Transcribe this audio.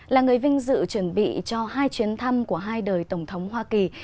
là người vinh dự chuẩn bị cho hai chuyến thăm của hai đời tổng thống hoa kỳ